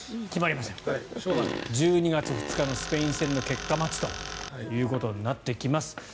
１２月２日のスペイン戦の結果待ちとなってきます。